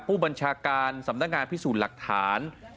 ผู้บัญชาการสำนักงานพิสูจน์หลักฐาน